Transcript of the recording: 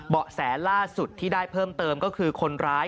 แสล่าสุดที่ได้เพิ่มเติมก็คือคนร้าย